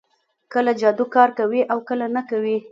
کله جادو کار کوي او کله نه کوي